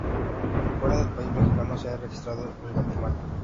Fuera del país mexicano, se ha registrado en Guatemala.